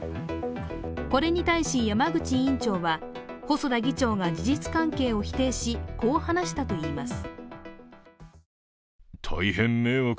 これに対し、山口委員長は細田議長が事実関係を否定しこう話したといいます。